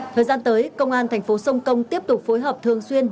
thời gian tới công an tp hcm tiếp tục phối hợp thường xuyên